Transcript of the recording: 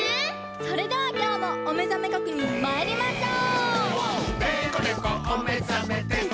それではきょうもおめざめ確認まいりましょう！